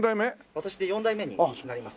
私で４代目になります。